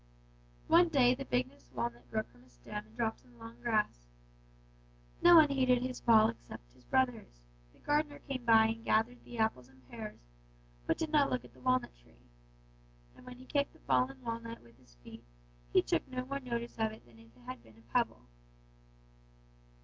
One day the biggest walnut broke from his stem and dropped in the long grass. No one heeded his fall except his brothers; the gardener came by and gathered the apples and pears, but did not look at the walnut tree; and when he kicked the fallen walnut with his feet he took no more notice of it than if it had been a pebble.